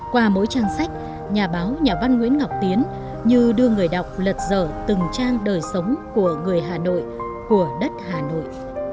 qua mỗi trang sách nhà báo nhà văn nguyễn ngọc tiến như đưa người đọc lật dở từng trang đời sống của người hà nội của đất hà nội